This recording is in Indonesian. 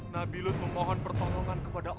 nabi lut memohon pertolongan kepada kami